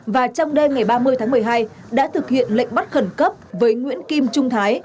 và trong đêm ngày ba mươi tháng một mươi hai đã thực hiện lệnh bắt khẩn cấp với nguyễn kim trung thái